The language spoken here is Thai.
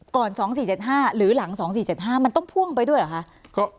ก่อนสองสี่เจ็ดห้าหรือหลังสองสี่เจ็ดห้ามันต้องพ่วงไปด้วยเหรอค่ะ